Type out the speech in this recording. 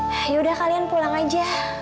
ya yaudah kalian pulang aja